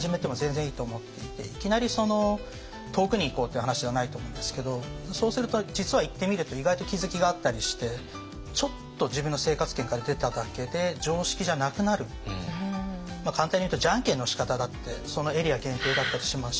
いきなり遠くに行こうっていう話ではないと思うんですけどそうすると実は行ってみると意外と気付きがあったりしてちょっと簡単に言うとじゃんけんのしかただってそのエリア限定だったりしますし。